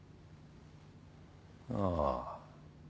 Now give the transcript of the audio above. ああ。